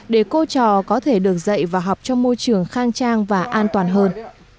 để cô trò có thể được dạy và học trong môi trường khang trang và an toàn hơn